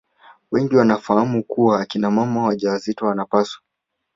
wengi wanafahamu kuwa akina mama wajawazito wanapaswa